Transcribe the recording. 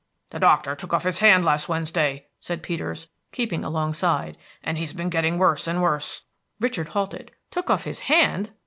"The doctor took off his hand last Wednesday," said Peters, keeping alongside, "and he's been getting worse and worse." Richard halted. "Took off his hand?"